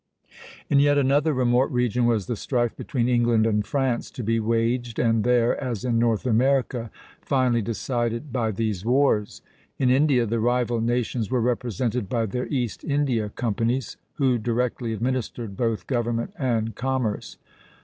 ] In yet another remote region was the strife between England and France to be waged, and there, as in North America, finally decided by these wars. In India, the rival nations were represented by their East India companies, who directly administered both government and commerce.